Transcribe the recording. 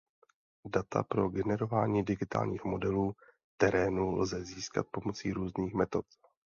Data pro generování digitálních modelů terénu lze získat pomocí různých metod.